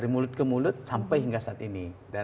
dari mulut ke mulut sampai hingga saat ini